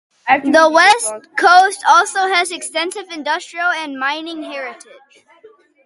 The West Coast also has extensive industrial and mining heritage.